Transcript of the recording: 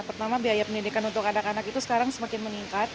pertama biaya pendidikan untuk anak anak itu sekarang semakin meningkat